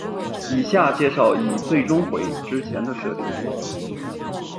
以下介绍以最终回之前的设定为准。